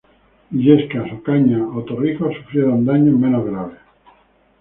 Illescas, Ocaña o Torrijos sufrieron daños menos graves.